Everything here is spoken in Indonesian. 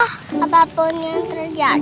aku mau ke bukit nusa